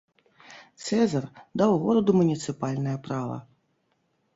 Цэзар даў гораду муніцыпальнае права.